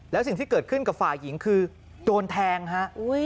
แล้วสิ่งที่เกิดขึ้นกับฝ่ายหญิงคือโดนแทงฮะ